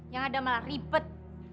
yang ada malah ripet